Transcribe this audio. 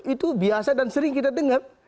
itu biasa dan sering kita dengar